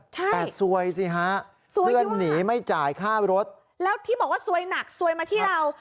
แต่ซวยสิฮะเพื่อนหนีไม่จ่ายค่ารถแล้วที่บอกว่าซวยหนักซวยมาที่เรา